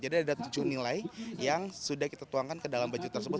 jadi ada tujuh nilai yang sudah kita tuangkan ke dalam baju tersebut